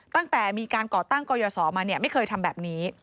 ตั้งแต่มีการก่อตั้งกรยศมาไม่เคยทำแบบนี้